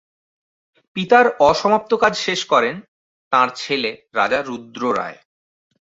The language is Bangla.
পিতার অসমাপ্ত কাজ শেষ করেন তাঁর ছেলে রাজা রুদ্র রায়।